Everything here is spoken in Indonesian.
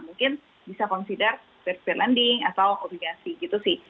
mungkin bisa consider fair peer lending atau obligasi gitu sih